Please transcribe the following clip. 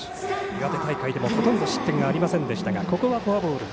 岩手大会でも、ほとんど失点がありませんでしたがここはフォアボール。